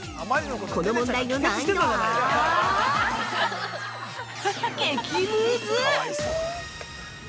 この問題の難易度は激ムズ！